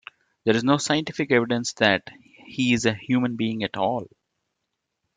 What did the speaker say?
There is no scientific evidence that he is a human being at all.